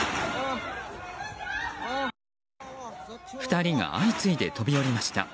２人が相次いで飛び降りました。